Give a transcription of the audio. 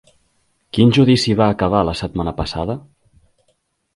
Quin judici va acabar la setmana passada?